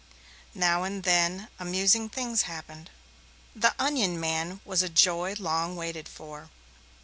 Now and then amusing things happened. The onion man was a joy long waited for.